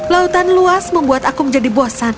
lautan luas membuat aku menjadi bosan